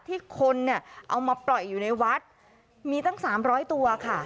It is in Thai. ที่คนเนี่ยเอามาปล่อยอยู่ในวัดมีตั้ง๓๐๐ตัวค่ะ